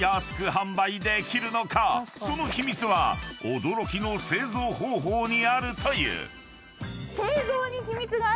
［その秘密は驚きの製造方法にあるという］